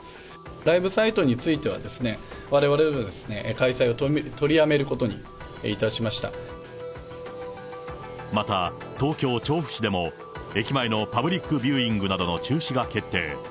ライブサイトについては、われわれ開催を取りやめることにいまた、東京・調布市でも駅前のパブリックビューイングなどの中止が決定。